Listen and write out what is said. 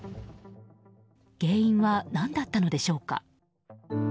原因は何だったのでしょうか。